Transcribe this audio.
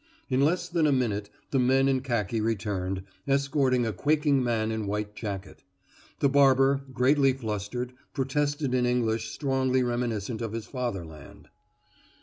In less than a minute, the men in khaki returned, escorting a quaking man in white jacket. The barber, greatly flustered, protested in English strongly reminiscent of his fatherland.